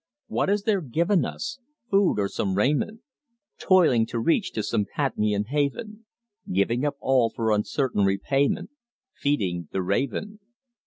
What is there given us? Food and some raiment, Toiling to reach to some Patmian haven, Giving up all for uncertain repayment, Feeding the raven!